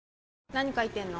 何書いてんの？